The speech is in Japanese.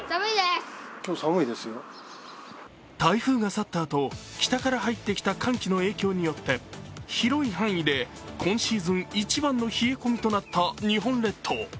台風が去ったあと北から入ってきた強い寒気によって広い範囲で今シーズン一番の冷え込みとなった日本列島。